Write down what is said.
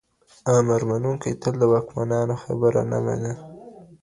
امرمنونکي تل د واکمنانو خبره نه مني.